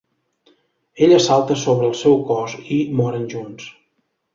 Ella salta sobre el seu cos i moren junts.